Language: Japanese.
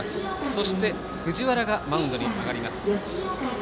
そして藤原がマウンドに上がります。